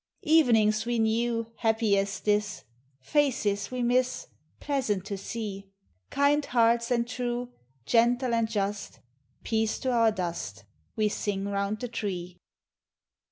Evenings we knew, Happy as this; Faces we miss. Pleasant to see. Kind hearts and true, Gentle and just, Peace to vour dust ! We sing round the tree.